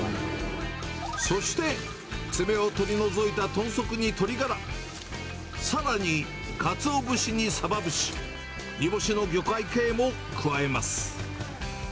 そして、爪を取り除いた豚足に鶏ガラ、さらにカツオ節にサバ節、煮干の魚介系も加えます。